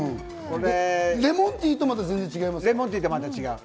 レモンティーとまた全然違い違う。